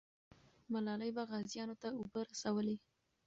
ملالۍ به غازیانو ته اوبه رسولې.